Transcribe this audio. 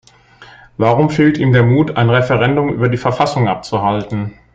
Warum fehlt ihm der Mut, ein Referendum über die Verfassung abzuhalten?